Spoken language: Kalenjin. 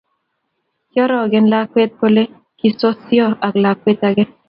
Kiorogen lakwet kule kisosio ak lakwet age